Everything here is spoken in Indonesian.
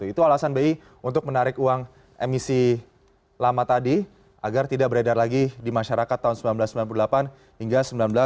itu alasan bi untuk menarik uang emisi lama tadi agar tidak beredar lagi di masyarakat tahun seribu sembilan ratus sembilan puluh delapan hingga seribu sembilan ratus sembilan puluh